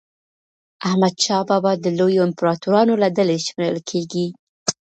حمدشاه بابا د لویو امپراطورانو له ډلي شمېرل کېږي.